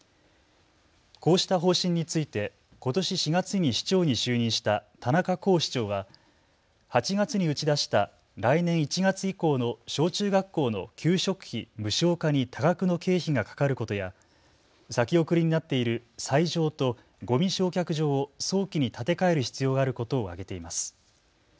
こうした方針についてことし４月に市長に就任した田中甲市長は８月に打ち出した来年１月以降の小中学校の給食費無償化に多額の経費がかかることや先送りになっている斎場とごみ焼却場を早期に建て替える必要があることを挙げています。